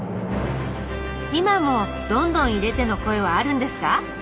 今も「どんどん入れて」の声はあるんですか？